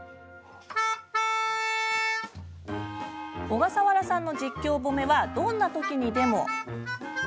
小笠原さんの実況褒めはどんな時でも。